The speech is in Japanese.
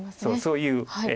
そういう。